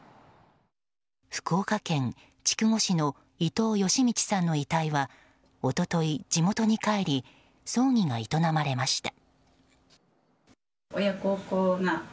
福岡県筑後市の伊藤嘉通さんの遺体は一昨日、地元に帰り葬儀が営まれました。